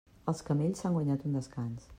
Els camells s'han guanyat un descans.